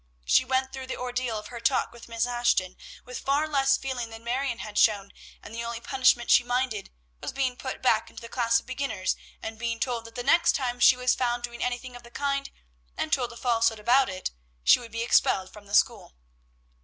She went through the ordeal of her talk with Miss Ashton with far less feeling than Marion had shown; and the only punishment she minded was being put back into the class of beginners, and being told that the next time she was found doing anything of the kind, and told a falsehood about it, she would be expelled from school.